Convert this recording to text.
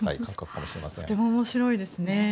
とても面白いですね。